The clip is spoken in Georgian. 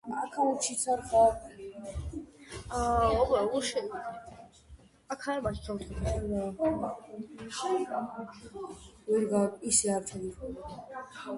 სახელმწიფოს მეთაურია მონარქი, რომელსაც ძირითადად საცერემონიო როლი აკისრია და ფლობს პირობით ძალაუფლებას.